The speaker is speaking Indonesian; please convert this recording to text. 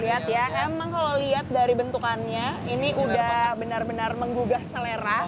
liat ya emang kalo liat dari bentukannya ini udah benar benar menggugah selera